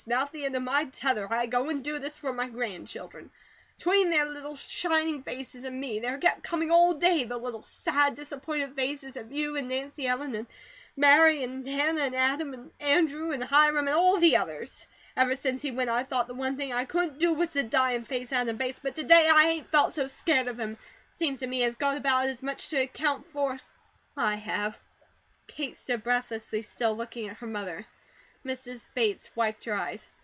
Now, at the end of my tether, I go and do this for my grandchildren. 'Tween their little shining faces and me, there kept coming all day the little, sad, disappointed faces of you and Nancy Ellen, and Mary, and Hannah, and Adam, and Andrew, and Hiram and all the others. Ever since he went I've thought the one thing I COULDN'T DO WAS TO DIE AND FACE ADAM BATES, but to day I ain't felt so scared of him. Seems to me HE has got about as much to account for as I have." Kate stood breathlessly still, looking at her mother. Mrs. Bates wiped her eyes.